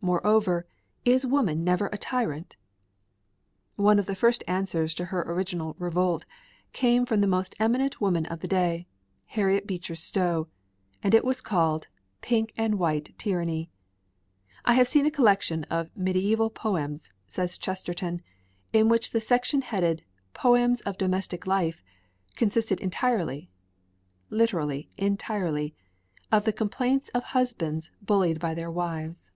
Moreover, is woman never a tyrant? One of the first answers to her original revolt came from the most eminent woman of the day, Harriet Beecher Stowe, and it was called "Pink and White Tyranny!" "I have seen a collection of medieval English poems," says Chesterton, "in which the section headed 'Poems of Domestic Life' consisted entirely (literally entirely) of the complaints of husbands bullied by their wives."